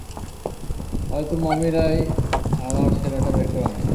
হয়তো মমিরাই আমার সেরাটা বের করে আনে!